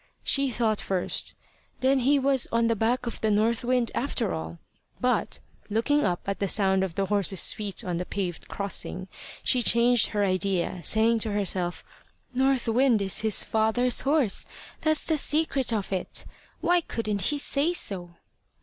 She thought first: "Then he was on the back of the North Wind after all!" but, looking up at the sound of the horse's feet on the paved crossing, she changed her idea, saying to herself, "North Wind is his father's horse! That's the secret of it! Why couldn't he say so?"